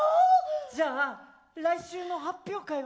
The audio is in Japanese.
じゃあ来週の発表会は？